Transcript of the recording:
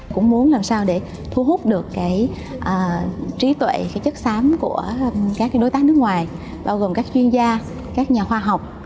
cũng muốn làm sao để thu hút được cái trí tuệ cái chất xám của các đối tác nước ngoài bao gồm các chuyên gia các nhà khoa học